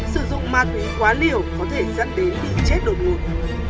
sử dụng ma túy quá liều có thể dẫn đến bị chết đột ngột